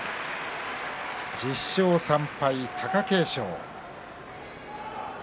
１０勝３敗、貴景勝。